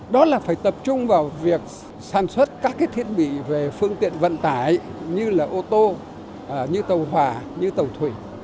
đó là phải tập trung vào việc sản xuất các thiết bị về phương tiện vận tải như là ô tô như tàu hỏa như tàu thủy